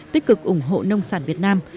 tích cực ủng hộ nông sản việt nam